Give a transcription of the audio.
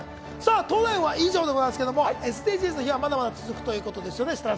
「東大王」は以上でございますが、「ＳＤＧｓの日」はまだまだ続くということですよね。